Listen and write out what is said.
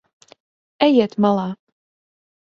Ejiet malā.